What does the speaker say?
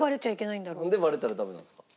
なんでバレたらダメなんですか？